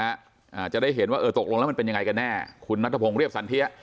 อ่าจะได้เห็นว่าเออตกลงแล้วมันเป็นยังไงกันแน่คุณนัทพงศ์เรียบสันเทีย